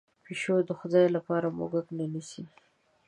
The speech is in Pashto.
پشو د خدای لپاره موږک نه نیسي.